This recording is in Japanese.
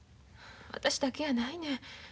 私だけやないねん。